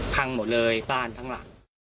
พังหมดเลยบ้านทั้งหลัง